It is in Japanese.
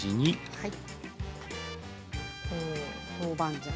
はい。